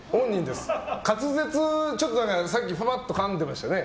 滑舌がちょっとふわっとかんでましたね。